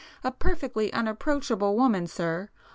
A perfectly unapproachable woman sir!